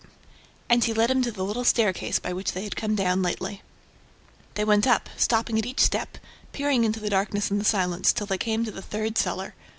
And he led him to the little staircase by which they had come down lately. They went up, stopping at each step, peering into the darkness and the silence, till they came to the third cellar.